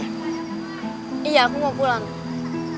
aku nebeng boleh